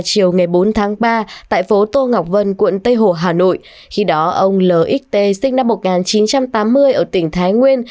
chiều ngày bốn tháng ba tại phố tô ngọc vân quận tây hồ hà nội khi đó ông lc sinh năm một nghìn chín trăm tám mươi ở tỉnh thái nguyên